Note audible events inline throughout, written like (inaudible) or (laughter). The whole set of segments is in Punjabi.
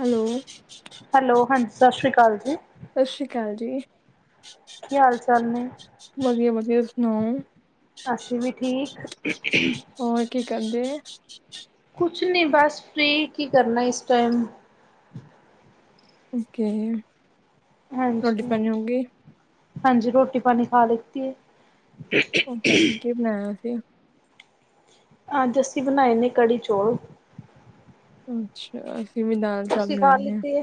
ਹੈਲੋ, ਹੈਲੋ ਹਾਂਜੀ ਸ਼੍ਰੀ ਅਕਾਲ ਜੀ ਸਤਿ ਸ਼੍ਰੀ ਅਕਾਲ ਜੀ। ਕੀ ਹਾਲ ਚਾਲ ਨੇ? ਵਧੀਆ -ਵਧੀਆ ਤੁਸੀ ਸੁਣਾਓ? ਅਸੀਂ ਵੀ ਠੀਕ। ਹੋਰ ਕੀ ਕਰਦੇ? ਕੁਛ ਨਈ ਬਸ ਫਰੀ ਕੀ ਕਰਨਾ ਇਸ ਟਾਈਮ। ਓਕੇ। ਰੋਟੀ ਹਾਂਜੀ, ਪਾਣੀ ਹੋ ਗਈ? ਹਾਂਜੀ ਰੋਟੀ ਪਾਣੀ ਖਾ ਲੀਤੀ ਏ।। ਓ, ਕੀ ਬਣਾਇਆ ਸੀ? ਅੱਜ ਅਸੀ ਬਣਾਏ ਨੇ ਕੜੀ -ਚੋਲ। ਅੱਛਾ, ਅਸੀਂ ਵੀ ਦਾਲ ਚਾਵਲ ਤੁਸੀਂ ਬਣਾਏ ਖਾ ਨੇ। ਲਿੱਤੀ ਏ,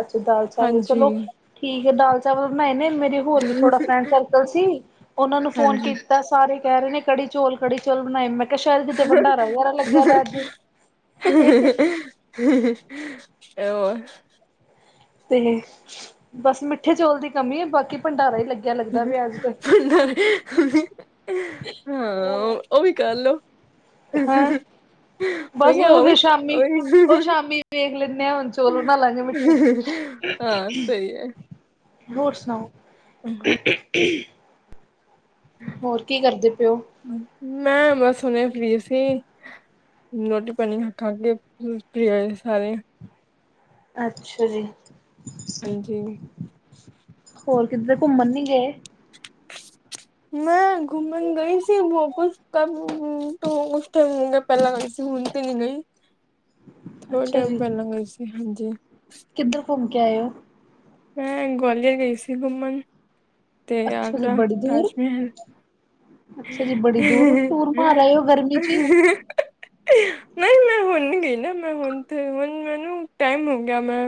ਅਸੀ ਦਾਲ ਚਾਵਲ ਚਲੋ ਹਾਂਜੀ, ਠੀਕ ਏ ਦਾਲ ਚਾਵਲ ਬਣਾਏ ਨੇ, ਮੇਰੇ ਹੋਰ ਵੀ ਥੋੜਾ ਫਰੈਂਡ ਸਰਕਲ ਸੀ, ਓਨਾਂ ਨੂੰ ਫੋਨ ਹਾਂਜੀ। ਕਿ ਤਾਂ ਸਾਰੇ ਕਹਿ ਰਹੇ ਨੇ ਕੜੀ -ਚੋਲ, ਕੜੀ- ਚੋਲ ਬਣਾਏ ਮੈਂ ਕੇ ਸ਼ਾਏਦ ਕਿਤੇ ਭੰਡਾਰਾ ਵਗੈਰਾ ਲੱਗਿਆ ਦਾ ਸੀ। ਹਹ ਹੋ--ਕੇ ਔਰ ਤੇ, ਬਸ ਮਿੱਠੇ ਚੋਲ ਦੀ ਕਮੀ ਏ, ਬਾਕੀ ਭੰਡਾਰਾ ਈ ਲੱਗੇ ਹਹਹ ਆਹ ਕਰਲੋ। ਹੈਂ, ਮੈਂ ਬਸ ਕਿਹਾ ਓ ਉਹ ਵੀ, ਫਿਰ ਸ਼ਾਮੀ, ਉਹ ਓ ਵੀ ਸ਼ਾਮੀ ਵੇਖ ਲੈਂਦੇ ਆ ਹੁਣ। ਚੋਲ ਬਨਾਲਾ ਗੇ ਮਿੱਠੇ ਹਾਂ, ਸਹੀ ਹੈ। ਹੋਰ ਸੁਣਾਓ ਹੋਰ ਕੀ ਕਰਦੇ ਪਿਓ? ਮੈਂ ਬਸ ਸੁਣਿਆ ਪੀ ਸੀ। ਨੋਟੀ- ਪਾਣੀ ਖਾਂਗੇ ਪ੍ਰ ਸਾਰੇ। ਅੱਛਾ ਜੀ। ਹਾਂਜੀ। ਹੋਰ, ਕਿੱਧਰ ਘੁੰਮਣ ਨੀ ਗਏ? ਮੈਂ ਘੁੰਮਣ ਗਈ ਸੀ। ਕੁਛ ਕ ਤੂੰ ਉਸ ਟਾਈਮ ਪਹਿਲਾਂ ਗਈ ਸੀ ਹੁਣ ਤੇ ਨ ਗਈ। ਥੋੜੇ ਅੱਛਾ ਟਾਈਮ ਜੀ ਪਹਿਲਾਂ ਗਈ ਸੀ ਹਾਂਜੀ। ਕਿੱਧਰ ਘੁੰਮ ਕੇ ਆਇਓ? ਮੈਂ ਗਵਾਲੀਅਰ ਗਈ ਸੀ ਘੁੰਮਣ। ਤੇ ਅੱਛਾ ਜੀ ਆਗਰਾ ਬੜੀ ਦੂਰ ਤਾਜ ਮਹਿਲ। ਅੱਛਾ ਜੀ ਬੜੀ ਦੂਰ ਟੂਰ ਮਾਰ ਰਹੇ ਹੋ ਗਰਮੀ ਚ' ਹੀ। ਨਹੀਂ ਮੈਂ ਹੁਣ ਗਈ ਨਾ ਮੈਂ ਹੁਣ ਤੇ ਹੁਣ ਮੈਨੂੰ ਟਾਈਮ ਹੋ ਗਿਆ ਮੈਂ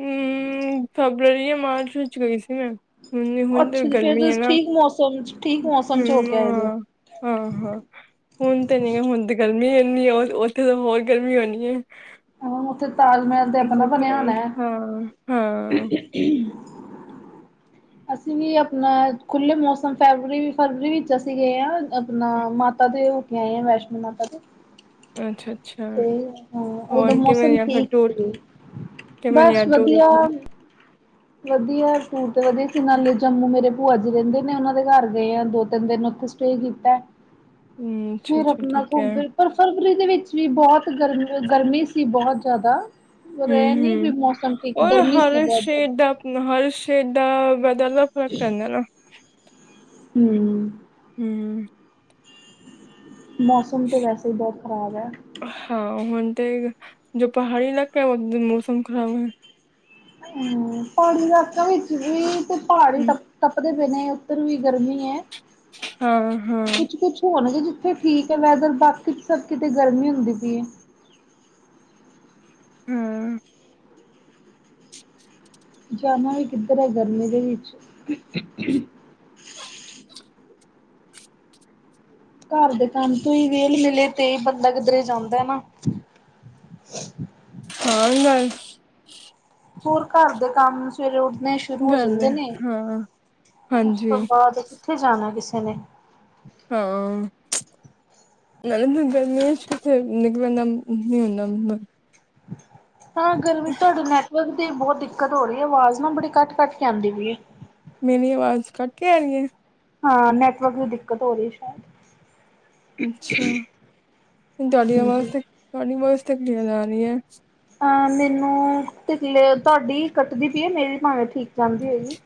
ਹੂ, ਫਬਰਵਰੀ ਜਾਂ ਮਾਰਚ ਵਿੱਚ ਗਈ ਸੀ ਮੈਂ ਹੁਣ- ਹੁਣ ਤੇ ਅੱਛਾ ਜੀ ਫੇਰ ਗਰਮੀ ਹੈ ਤੁਸੀਂ ਨਾ। ਠੀਕ ਮੌਸਮ ਚ' ਠੀਕ ਹ, ਮੌਸਮ ਚ ਹੋ ਕੇ ਆਏ ਦੇ ਹੋ ਹਾਂ- ਹਾਂ। ਹੁਣ ਤਾਂ ਨੀ ਹੁਣ ਗਰਮੀ ਇਨੀ, ਉੱਥੇ ਤਾਂ ਹੋਰ ਗਰਮੀ ਹੋਣੀ ਹੈ। ਉੱਥੇ ਤਾਜ ਮਹਿਲ। ਤੇ ਆਪਣਾ ਬਣਿਆ ਹੋਣਾ ਹੈ ਹਾਂ- ਹਾਂ। (inaudible) ਅਸੀਂ ਵੀ ਆਪਣਾ ਖੁੱਲ੍ਹੇ ਮੌਸਮ ਫਰਵਰੀ ਵੀ ਫਰਵਰੀ ਵਿੱਚ ਅਸੀਂ ਗਏ ਹਾਂ, ਆਪਣਾ ਮਾਤਾ ਦੇ। ਆਏ ਆ ਵੈਸ਼ਨੋ ਮਾਤਾ ਤੇ। ਅੱਛਾ- ਅੱਛਾ ਹਾਂ ਉਦੋਂ ਹੋਰ ਕਿਵੇਂ ਮੌਸਮ ਯ ਫਿਰ ਠੀਕ ਟੂਰ? ਸੀ ਤੇ ਕਿਵੇਂ ਰੇਹਯਾ ਬਸ ਟੂਰ ਵਧੀਆ ਔਥੇ? ਵਧੀਆ ਟੂਰ ਤੇ ਵਧੀਆ ਸੀ ਨਾਲੇ ਜੰਮੂ ਮੇਰੇ ਭੂਆ ਜੀ ਰਹਿੰਦੇ ਨੇ, ਉਹਨਾਂ ਦੇ ਘਰ ਗਏ ਆ ਦੋ- ਤਿੰਨ ਦਿਨ ਉੱਥੇ। ਤੇ ਕੀਤਾ। ਹੂੰ ਫਿਰ ਅੱਛਾ-ਅੱਛਾ ਆਪਣਾ ਠੀਕ ਘੁੰਮ ਹੈ ਫਿਰ ਪਰ ਫਰਵਰੀ ਦੇ ਵਿੱਚ ਵੀ ਬਹੁਤ ਗਰਮੀ ਸੀ, ਬਹੁਤ ਜ਼ਿਆਦਾ। ਪਰ ਐ ਨੀ ਬਈ ਹੂੰ-ਹੂੰ ਮੌਸਮ ਠੀਕ, ਗਰਮੀ ਸੀ ਬਹੁਤ ਜ਼ਿਆਦਾ। ਹੁਨ ਹਰ ਸ਼ੇਡ ਦਾ ਵੈਦਰ ਦਾ ਫ਼ਰਕ ਰਹਿੰਦਾ ਨਾ। ਹਮ ਹੂ ਮੌਸਮ ਤਾਂ ਵੈਸੇ ਹੀ ਬਹੁਤ ਖ਼ਰਾਬ ਹੈ। ਹਾਂ। ਹੁਣ ਤੇ, ਜੋ ਪਹਾੜੀ ਇਲਾਕਾ ਹੈ, ਓਥੇ ਮੌਸਮ ਖਰਾਬ ਹੈ। ਹੂ, ਪਹਾਡ਼ੀ ਇਲਾਕਾ ਵਿੱਚ ਵੀ ਤੇ ਪਹਾੜ ਹੀ ਦੇ ਨਾ ਬਿਨ ਉੱਧਰ ਵੀ ਗਰਮੀ ਹੈ। ਹਾਂ-ਹਾਂ। ਹੋੁਣਗੇ ਜਿੱਥੇ ਠੀਕ ਹੈ, ਵੈਦਰ ਬਾਕੀ ਸਭ ਕਿਤੇ ਗਰਮੀ ਹੁੰਦੀ ਪਈ ਏ। ਹੂ ਜਾਣਾ ਵੀ ਕਿੱਧਰ ਹੈ ਗਰਮੀ ਦੇ ਵਿੱਚ। ਘਰ ਦੇ ਕੰਮ ਤੋਂ ਹੀ ਵੇਲ ਮਿਲੇ ਤੇ ਬੰਦਾ ਕਿਧਰੇ ਜਾਂਦਾ ਨਾ। ਹਾਂ ਗੱਲ ਹੋਰ ਘਰ ਦੇ ਕੰਮ ਸਵੇਰੇ ਉੱਠਣੇ ਸ਼ੁਰੂ ਹੋ ਗੱਲ ਜਾਂਦੇ ਹੈ ਨੇ। ਹਾਂ। ਉਸ ਹਾਂਜੀ ਤੋਂ ਬਾਅਦ ਕਿੱਥੇ ਜਾਣਾ ਕਿਸੇ ਨੇ। ਹਾਂ। ਨਾਲੇ ਫੇਰ ਗਰਮੀਯਾ ਚ' ਨਿਕਲਨ ਨੀ ਹੁੰਦਾ। ਹਾਂ, ਗਰਮੀ ਤੁਹਾਡੂੰ ਨ ਤੇ ਬਹੁਤ ਦਿੱਕਤ ਹੋ ਰਹੀ ਹੈ ਆਵਾਜ਼ ਨਾ ਬੜੀ ਕਟ- ਕੱਟ ਕੇ ਆਉਂਦੀ ਪਈ ਹੈ। ਮੇਰੀ ਆਵਾਜ਼ ਕੱਟ ਕੇ ਆਈ ਏ? ਹਾਂ ਨੈਟਵਰਕ ਦੀ ਦਿੱਕਤ ਹੋ ਰੀ, ਸ਼ੈਦ ਅੱਛਾ, ਤੁਹਾਡੀ ਆਵਾਜ ਹਾਂਜੀ। ਤੇ ਕਲੀਯਰ (unintelligible) ਆਰੀ ਐ। ਅਹ ਮੈਨੂੰ ਕਿਤਲੇ ਤਾਡੀ ਕੱਟਦੀ ਪਈ ਏ, ਮੇਰੀ ਭਾਵੇਂ ਠੀਕ ਆਂਦੀ ਹੋਵੇਗੀ।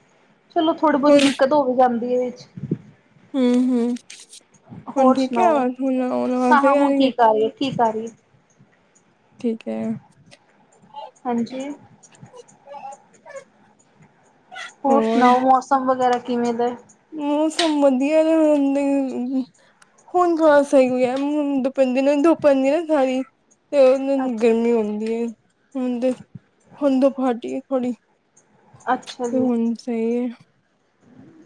ਚਲੋ ਥੋੜੀ ਬੋਤੀ ਹੁਣ ਦਿੱਕਤ ਹੋ ਵੀ ਜਾਂਦੀ ਏ, ਇਹ ਚ ਹਮ -ਹਮ ਹੁਣ ਹੋਰ ਠੀਕੈ ਸੁਣਾਓ? ਆਵਾਜ਼, ਹੁਣ ਆਵਾਜ ਹਾਂ ਹਾਂ ਸਹੀ ਹੁਣ ਆਰੀ (unintelligible) ਏ। ਠੀਕ ਆ ਰਹੀ ਹੈ ਠੀਕ ਆਰੀ ਏ। ਠੀਕੈ। ਹਾਂਜੀ। ਹੋਰ ਸੁਨਾਔ ਮੌਸਮ ਵਗੈਰਾ ਕਿਵੇਂ ਦੇ? ਮੌਸਮ ਵਧੀਆ ਜਾ ਹੋਂਦਾ ਇ ਨੀ। ਹੁਣ ਥੋਰਾ ਸ ਈ ਐ ਤੁਪ (unintelligible) ਪੈਦੀ ਨਾ ਸਾਰੀ ਤੇ ਔਹ ਦਿਨ ਅੱਛਾ ਗਰਮੀ ਹੁੰਦੀ ਏ, ਹੁਣ ਤੇ, ਹੁਨ ਤੇ ਪਾਰਟੀ ਏ ਸਾਡੀ ਤੇ ਅੱਛਾ (unintelligible) ਜੀ ਹੁਣ ਸ ਈ ਏ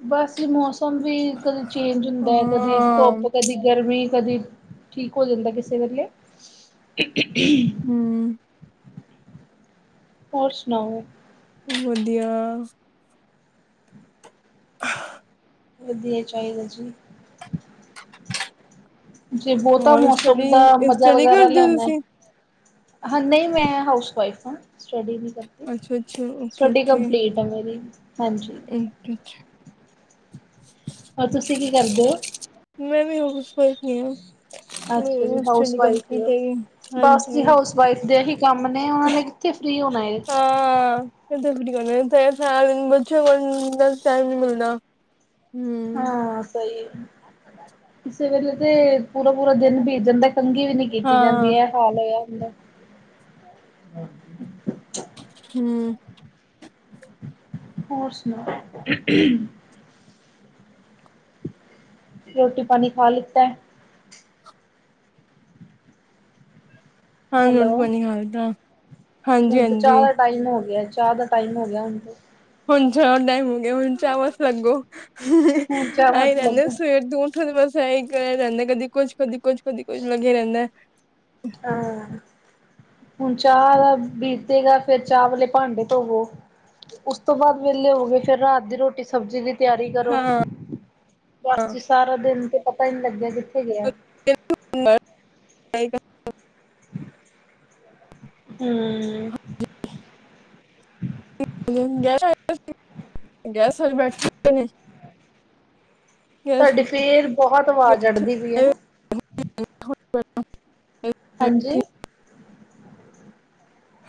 ਬਸ ਜ ਮੌਸਮ ਵੀ ਕਦੇ ਚੇਂਜ ਹੁੰਦੈ, ਕਦੇ ਹਾਂ ਧੁੱਪ ਕਦੀ ਗਰਮੀ ਕਦੇ ਠੀਕ ਹੋ ਜਾਂਦੈ, ਕਿਸੇ ਵੇਲੇ (unintelligible) ਹਮ ਹੋਰ ਸੁਨਾਔ? ਵਧੀਆ ਅ ਵਧੀਆ ਈ ਚਾਈਦੈ ਜੀ। ਜੇ ਬੋਤਾ ਹੋਰ ਮੌਸਮ ਦਾ ਸਟੱਡੀ ਮਜਾ ਸਟੱਡੀ ਵਗੈਰਾ ਕਰਦੇ ਹੋ ਲੈਣੈ ਤੁਸੀਂ ਹਾਂ ਨਈ ਮੈਂ ਹਾਊਸਵਾਈਫ ਆਂ ਸਟੱਡੀ ਨੀ ਕਰ ਅੱਛਾ ਅੱਛਾ ਓਕੇ ਸਟੱਡੀ ਓਕੇ ਕੰਪਲੀਟ ਐ ਮੇਰੀ ਹਾਂਜੀ। ਅੱਛਾ! ਔਰ ਤੁਸੀ ਕੀ ਕਰਦੇ ਔ? ਮੈਂ ਵੀ ਹਾਊਸ ਵਾਈਫ ਈ ਆਂ। ਮੇਰੀ ਅੱਛਾ ਜੀ ਵੀ ਹਾਊਸ ਸਟੱਡੀ ਵਾਈਫ ਹੀ ਕੰਪਲੀਟ ਹੋ ਹੈਗੀ ਬਸ ਜੀ ਹਾਂਜੀ। ਹਾਊਸ ਵਾਈਫ ਦੇ ਹੀ ਕੰਮ ਨੇ ਔਨਾ ਨੇ ਕਿੱਥੇ ਫ੍ਰੀ ਹੋਣਾ ਏ। ਹਾਂ (unintelligible) ਤੇ ਸਾਰਾ ਦਿਨ ਬਚੇ ਆ ਨਾਲੋਂ ਟੈਮ ਨੀ ਮਿਲਦਾ। ਹਮ ਹਾਂ ਸਈ ਏ। ਕਿਸੇ ਵੇਲੇ ਤੇ ਪੂਰਾ-ਪੂਰਾ ਦਿਨ ਬੀਤ ਜਾਂਦਾ ਕੰਘੀ ਵੀ ਨੀ ਕਿਤੀ ਜਾਂਦੀ। ਹਾਂ ਐ ਹਾਲ ਹੋਇਆ ਹੁੰਦਾ। ਹਮ। ਹੋਰ ਸੁਣਾਔ? (unintelligible) ਰੋਟੀ ਪਾਣੀ ਖਾ ਲੀਤੈ? ਹਾਂਜੀ ਹੈਲੋ ਭੈਣਜੀ ਖਾਂ ਲੀਤਾ। ਹੁਣ ਤਾਂ ਹਾਂਜੀ-ਹਾਂਜੀ। ਚਾਹ ਦਾ ਟਾਈਮ ਹੋ ਗਿਐ। ਚਾ ਦਾ ਟਾਈਮ ਹੋ ਗਿਆ ਹੁਣ ਤੇ। ਹੁਣ ਚਾ ਟਾਈਮ ਹੋਗਿਆ ਹੁਣ ਚਾ ਵਾਸਤੇ ਲਗੋ। ਹ ਹ ਹੁਣ ਚਾਹ ਐਯੀ ਚ ਰੈਂਦੇ ਲੱਗੋ ਸਵੇਰ ਤ ਉੱਠੋ ਤੇ ਬਸ ਐਯੀ ਕਿਆ ਜਾਂਦੈ ਕਦੀ ਕੁੱਛ-ਕਦੀ ਕੁੱਛ-ਕਦੀ ਕੁੱਛ ਲਗੇ ਰੈਂਦੈ। ਆਂ! ਹੁਣ ਚਾ ਦਾ ਬੀਤੇਗਾ ਫੇਰ ਚਾ ਵਾਲੇ ਪਾਂਡੇ ਧੋਵੋ। ਉਸਤੋਂ ਬਾਦ ਵੇਲੇ ਹੋਵੋਗੇ। ਫੇਰ ਰਾਤ ਦੀ ਰੋਟੀ ਸਬਜ਼ੀ ਦੀ ਤੇਆਰੀ ਕਰੋ। ਹਾਂ ਬਸ ਜੀ ਸਾਰਾ ਦੇਨ ਤੇ ਪਤਾ ਈ ਨੀ ਲਗਿਆ ਕਿੱਥੇ ਗਿਐ। (unintelligible) ਹੂੰ। (unintelligible) ਗੈਸ ਹਜੇ ਬੈਠ ਨੇ। ਗੈਸ ਤੁਆਡੀ ਫੇਰ ਬਹੁਤ ਆਵਾਜ਼ ਅੜਦੀ ਪਈ ਐ ਨਾ। ਹਾਂਜੀ?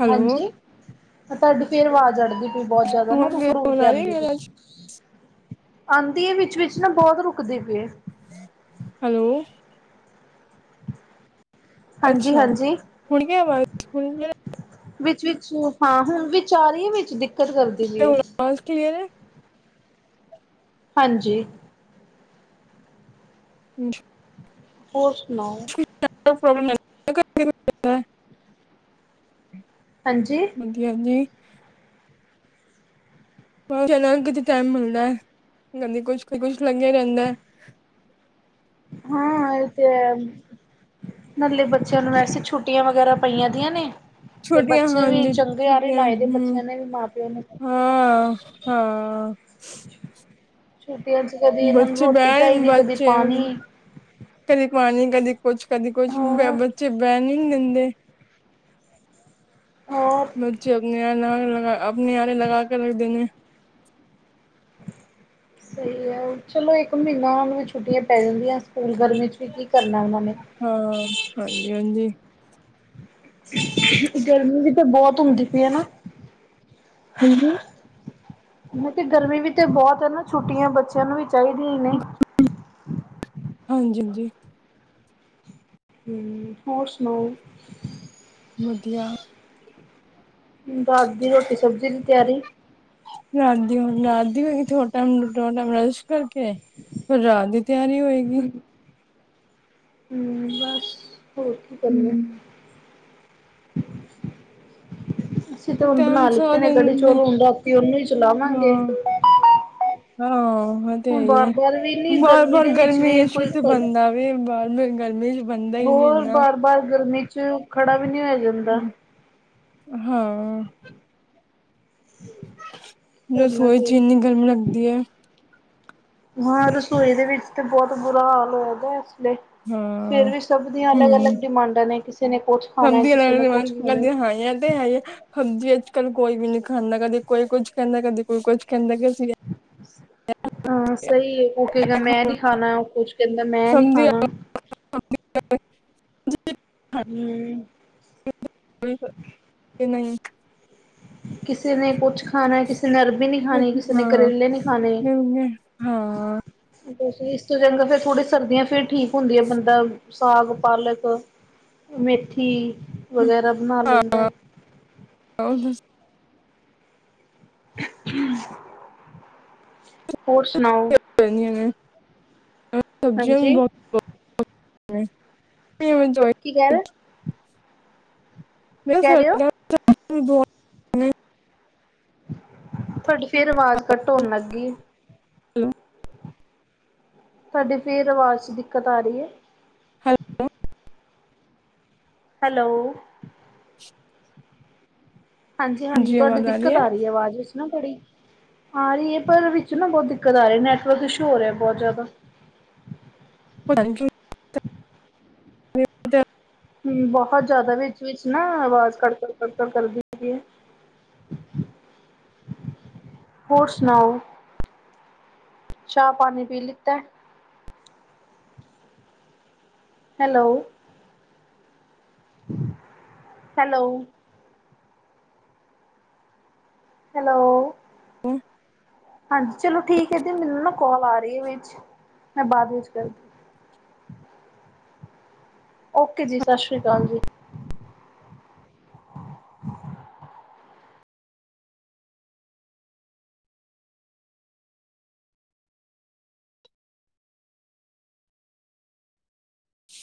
ਹੈਲੋ ਹਾਂਜੀ, ਤਾਡੀ ਫੇਰ ਵਾਜ਼ ਅੜਦੀ ਪੀ ਬਹੁਤ ਜਿਆਦਾ। ਦਾ ਨਾ ਹੁਣ ਕੀ ਰੁੱਕ-ਰੁੱਕ ਹੁਣ ਕੇ ਆ ਰਹੀ ਆਂਦੀ ਹੈ ਆਵਾਜ਼ ਪਈ। ਆਂਦੀ ਏ ਵਿੱਚ-ਵਿੱਚ ਨਾ ਬੋਤ ਰੁਕਦੀ ਪਈ ਏ। ਹੈਲੋ। ਅੱਛਾ ਹਾਂਜੀ-ਹਾਂਜੀ। ਹੁਣ ਕੀ ਆਵਾਜ਼ ਹੁਣ ਕੀ ਵਿੱਚ-ਵਿੱਚ ਹਾਂ ਹੁਣ ਵਿੱਚ ਆ ਰੀ ਏ ਵਿੱਚ ਦਿੱਕਤ ਕਰਦੀ ਪੀ ਏ। ਵਾਜ ਕਲੀਅਰ ਐ। ਹਾਂਜੀ। (unintelligible) ਹੋਰ ਸੁਣਾਓ? (unintelligible) ਹਾਂਜੀ। ਵਧੀਆ ਜੀ। ਬੱਚਿਆਂ ਨਾਲ ਕਿੱਥੇ ਟਾਈਮ ਮਿਲਣਾ (unintelligible) ਕੁਛ ਲੱਗਿਆ ਰਹਿੰਦਾ। ਹਾਂ ਐ ਤੇ ਹੈ। ਨਾਲੇ ਬੱਚਿਆਂ ਨੂੰ ਵੈਸੇ ਛੁੱਟੀਆਂ ਵਗੈਰਾ ਪਈਆਂ ਦੀਆਂ ਨੇ। ਤੇ ਛੁੱਟੀਆਂ ਬੱਚੇ ਹਨ ਵੀ ਜੀ ਚੰਗੇ ਆਰੇ ਛੁੱਟੀਆਂ ਲਾਏ ਦੇ ਹਮ, ਬੱਚਿਆਂ ਨੇ ਵੀ ਮਾਂ-ਪਿਓ ਨੂੰ। ਹਾਂ ਹਾਂ ਛੁੱਟੀਆਂ 'ਚ ਕਦੀ ਏਨਾ ਨੂੰ ਨੂੰ ਬੱਚੇ ਰੋਟੀ ਬੈਣ ਚਾਈਦੀ ਕਦੀ ਪਾਣੀ। ਬੱਚੇ ਕਦੀ ਪਾਣੀ ਕਦੀ ਕੁੱਛ ਕਦੀ ਕੁੱਛ ਬੈ ਹੋਰ ਬੱਚੇ ਬੈਨ ਈ ਨੀ ਦਿੰਦੇ। ਹੋਰ ਬੱਚੇ ਅਪਣਿਆ ਨਾਲ ਲਗਾ ਅਪਣੇ ਆਰੇ ਲਗਾ ਕੇ ਰੱਖਦੇ ਨੇ। ਸਈ ਗੱਲ। ਚਲੋ ਏਕ ਮੀਨਾਂ ਉਨ੍ਹਾਂਨੂੰ ਵੀ ਛੁੱਟੀਆਂ ਪੈ ਜਾਂਦੀਆਂ। ਸਕੂਲ ਗਰਮੀ 'ਚ ਵੀ ਕੀ ਕਰਨਾ ਉਹਨਾਂ ਨੇ। ਹਾਂ ਹਾਂਜੀ-ਹਾਂਜੀ। ਗਰਮੀ ਵੀ ਤਾਂ ਬਹੁਤ ਹੁੰਦੀ ਪੀ ਏ ਨਾ। ਹਾਂਜੀ? ਮੈ ਤੇ ਗਰਮੀ ਵੀ ਤੇ ਬਹੁਤ ਹੈ ਨਾ ਛੁੱਟੀਆਂ ਬੱਚਿਆਂ ਨੂੰ ਵੀ ਚਾਹੀਦੀਆਂ ਹੀ ਨੇ। ਹਾਂਜੀ-ਹਾਂਜੀ। ਹੂੰ ਹੋਰ ਸੁਨਾਓ। ਵਧੀਆ। ਰਾਤ ਦੀ ਰੋਟੀ ਸਬਜ਼ੀ ਦੀ ਤਿਆਰੀ। ਰਾਤ ਦੀ ਹੁਨ ਰਾਤ ਦੀ (unintelligible) ਥੋੜਾ ਟਾਈਮ ਨੂੰ ਬਰੱਸ਼ ਕਰਕੇ, ਫਿਰ ਰਾਤ ਦੀ ਤਿਆਰੀ ਹੋਏਗੀ। ਹੂੰ ਬਸ ਹੋਰ ਕੀ ਕਰੀਏ। ਹਮ (inaudible) ਅਸੀਂ ਤੇ ਹੁਣ ਟਾਈਮ ਬਣਾ ਲਿੱਤੇ ਸਾਰਾ ਨੇ ਕੜੀ ਦਿਨ ਦੇ ਚੋਲ ਹੁਣ ਰਾਤੀ ਉਹਨੂੰ ਈ ਚਲਾਵਾਂਗੇ। ਹਾਂ ਹਾਂ। ਉਹ ਤੇ ਹੈ ਹੁਣ ਈ ਐ। ਬਾਰ ਬਾਰ ਵੀ ਨੀ ਗਰਮੀ ਬਾਰ-ਬਾਰ ਦੇ ਵਿੱਚ ਗਰਮੀ ਏ ਵੀ ਕੋਈ ਛੇਤੀ ਬਣਦਾ ਵੀ ਏ ਬਰ ਗਰਮੀ ਬਣਦਾ ਹੀ ਨੀ ਹੋਰ ਇੰਨਾ ਬਾਰ-ਬਾਰ ਗਰਮੀ 'ਚ ਖੜਾ ਵੀ ਨੀ ਹੋਇਆ ਜਾਂਦਾ। ਹਮ। ਹਾਂ। (inaudible) ਕਰਨਾ ਰਸੋਈ 'ਚ ਫਿਰ ਇੰਨੀ ਗਰਮੀ ਲਗਦੀ ਐ। ਹਾਂ ਰਸੋਈ ਦੇ ਵਿੱਚ ਤੇ ਬੋਤ ਬੁਰਾ ਹਾਲ ਹੋਇਆ ਦਾ ਐਸਲੇ ਹਾਂ ਫੇਰ ਵੀ ਸਭ ਦੀਆਂ ਅਲੱਗ ਅਲੱਗ ਡਿਮਾਂਡਾਂ ਨੇ ਕਿਸੇ ਨੇ ਕੁੱਛ ਖਾਣਾ ਕਿਸੇ ਨੇ ਕੁੱਛ (unintelligible) ਹਾਏ ਏ ਤੇ ਹੈ ਹੀ ਏ ਹਾਂਜੀ ਅੱਜ ਕੱਲ ਕੋਈ ਵੀ ਨੀ ਖਾਂਦਾ ਕਦੇ ਕੋਈ ਕੁੱਛ ਕਹਿੰਦਾ ਕਦੇ ਕੋਈ ਕੁੱਛ ਕਹਿੰਦਾ ਕਿ ਅਸੀਂ ਹਾਂ ਸਹੀ ਹੈ ਓ ਕੇਗਾ ਮੈ ਨੀ ਖਾਣਾ ਉਹ ਕੁਛ ਕਹਿੰਦਾ ਮੈਂ ਨੀ ਖਾਣਾ (unintelligible) ਹਮ (unintelligible) ਕਿ ਨਹੀਂ ਕਿਸੇ ਨੇ ਕੁੱਛ ਖਾਣੈ ਕਿਸੇ ਕਿਸੇ ਨੇ ਅਰਬੀ ਨੀ ਖਾਣੀ ਕਿਸੇ ਨੇ ਹਾਂ ਕਰੇਲੇ ਨੀ ਖਾਣੇ ਹਾਂ ਇਸ ਤੋਂ ਚੰਗਾ ਫਿਰ ਥੋੜੀ ਸਰਦੀਆਂ ਫੇਰ ਠੀਕ ਹੁੰਦੀਆਂ ਬੰਦਾ ਸਾਗ ਪਾਲਕ ਮੇਥੀ ਵਗੈਰਾ ਬਣਾ ਲੈਂਦਾ। (unintelligible) ਹੋਰ ਸੁਣਾਓ ਹਾਂਜੀ, (unintelligible) (unintelligible) ਕੀ ਕੈ ਰੇ ਮੇਰਾ ਕਹਿ ਰਹੇ ਹੋ? ਸਰ (unintelligible) ਤੁਹਾਡੀ ਫੇਰ ਆਵਾਜ਼ ਕਟ ਹੋਣ ਲੱਗ ਗਈ ਏ (inaudible) ਤੁਹਾਡੀੇ ਫੇਰ ਆਵਾਜ਼ ਚ ਦਿੱਕਤ ਆ ਰਹੀ ਹੈ ਹੈਲੋ ਹਾਂਜੀ ਹਾਂਜੀ ਤੁਹਾਡੀ ਦਿੱਕਤ ਆ ਰਹੀ ਹੈ ਆਵਾਜ਼ ਵਿੱਚ ਨਾ ਥੋੜੀ ਆ ਰਹੀ ਹੈ ਪਰ ਵਿੱਚ ਨਾ ਬੋਤ ਦਿੱਕਤ ਆ ਰਹੀ ਨੈਟਵਰਕ ਇਸ਼ੂ ਹੋ ਰਿਹਾ ਬਹੁਤ ਜ਼ਿਆਦਾ (inaudible) (unintelligible) ਹਮ ਬਹੁਤ ਜ਼ਿਆਦਾ ਵਿੱਚ ਵਿੱਚ ਨਾ ਆਵਾਜ਼ ਕੜਕੜ ਕਰਦੀ ਹੈਗੀ ਹੈ ਹੋਰ ਸੁਣਾਓ ਚਾਹ ਪਾਣੀ ਪੀ ਲਿੱਤੈ ਹੈਲੋ ਹੈਲੋ ਹੈਲੋ ਹੈ ਹਾਂਜੀ ਚਲੋ ਠੀਕ ਹੈ ਦੀ ਮੈਨੂੰ ਨਾ ਕੋਲ ਆ ਰਹੀ ਹੈ ਵਿਚ ਮੈਂ ਬਾਅਦ ਵਿੱਚ ਕਰਦੀ ਓਕੇ ਜੀ ਸਤਿ ਸ਼੍ਰੀ ਅਕਾਲ ਜੀ ਕੀ